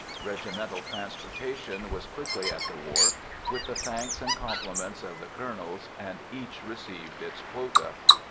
Regimental transportation was quickly at the wharf, with the thanks and compliments of the colonels, and each received its quota.